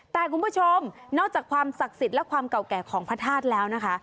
แต่คุณผู้ชมนอกจากความศักดิ์สิทธิ์และความเก่าแก่ของพระธาตุแล้วนะคะ